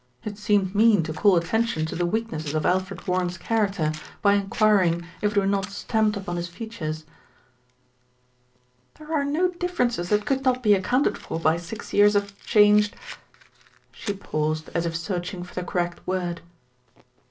It seemed mean to call attention to the weaknesses of Alfred Warren's character by enquiring if it were not stamped upon his features. "There are no differences that could not be accounted for by six years of changed " she paused as if search ing for the correct word.